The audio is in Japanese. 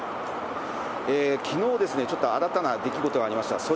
きのうですね、ちょっと新たな出来事がありました。